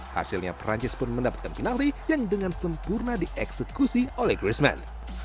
hasilnya perancis pun mendapatkan penalti yang dengan sempurna dieksekusi oleh chrisman